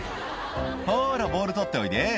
「ほらボール取っておいで」